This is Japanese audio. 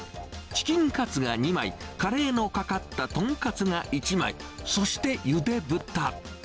チキンカツが２枚、カレーのかかったとんかつが１枚、そしてゆで豚。